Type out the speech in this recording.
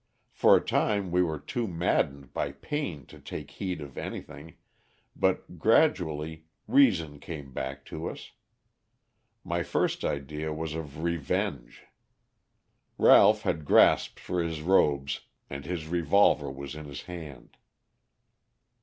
For a time we were too maddened by pain to take heed of anything, but gradually reason came back to us. My first idea was of revenge. Ralph had grasped for his robes and his revolver was in his hand.